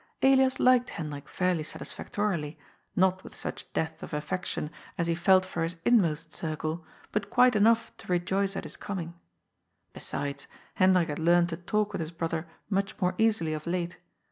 Elias liked Hendrik fairly satisfac torily, not with such depth of affection as he felt for his in most circle, but quite enough to rejoice at his coming. Be sides, Hendrik had learned to talk with his brother much more easily of late.